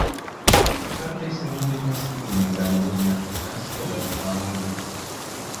Kartais nuotaikos kitimai gali būti net kas kelias valandas.